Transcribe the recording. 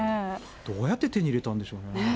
どうやって手に入れたんでしょうね。